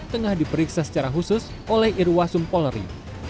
tengah diperiksa secara khusus oleh irwasum polri